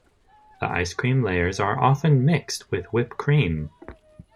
The ice cream layers are often mixed with whipped cream.